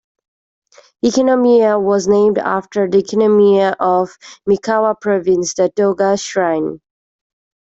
Ichinomiya was named after the Ichinomiya of Mikawa Province, the Toga Shrine.